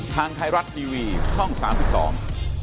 ทางไทรัตน์ทีวีช่อง๓๒